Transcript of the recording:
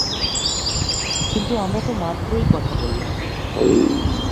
কিন্তু আমরা তো মাত্রই কথা বললাম।